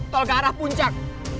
tol ke arah puncak